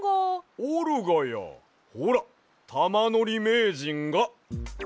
おるがやほらたまのりめいじんが。